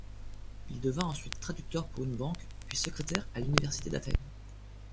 Il devint ensuite traducteur pour une banque, puis secrétaire à l'université d’Athènes.